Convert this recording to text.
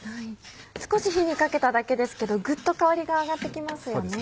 少し火にかけただけですけどグッと香りが上がってきますよね。